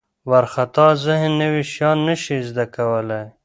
وارخطا ذهن نوي شیان نه شي زده کولی.